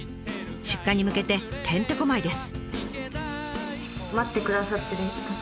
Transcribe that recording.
出荷に向けててんてこまいです。